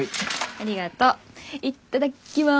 ありがとう。いっただっきます。